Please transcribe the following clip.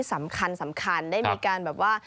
สำคัญได้มีการแบบว่า